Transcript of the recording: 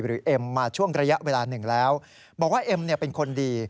หรือเอมมาช่วงระยะเวลาหนึ่งแล้วบอกว่าเอมเป็นคนดี